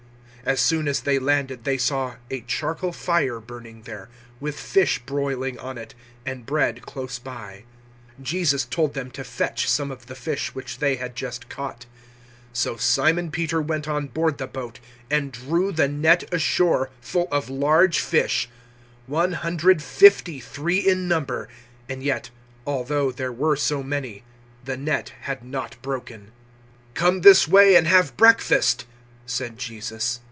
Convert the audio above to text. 021:009 As soon as they landed, they saw a charcoal fire burning there, with fish broiling on it, and bread close by. 021:010 Jesus told them to fetch some of the fish which they had just caught. 021:011 So Simon Peter went on board the boat and drew the net ashore full of large fish, 153 in number; and yet, although there were so many, the net had not broken. 021:012 "Come this way and have breakfast," said Jesus.